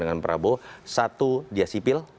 dengan prabowo satu dia sipil